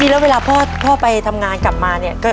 จริงแล้วพอไปทำงานกลับมาเนี่ย